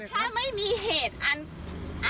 ถ้าไม่มีเหตุอัน